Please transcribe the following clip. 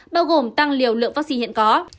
bao gồm tăng liều lượng vaccine hiện có